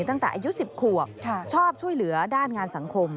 ตั้งแต่อายุ๑๐ขวบชอบช่วยเหลือด้านงานสังคม